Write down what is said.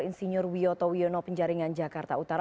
insinyur wiyoto wiono penjaringan jakarta utara